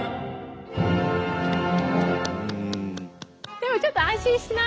でもちょっと安心しない？